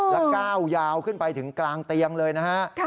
และก้าวยาวขึ้นไปถึงกลางเตียงเลยนะฮะ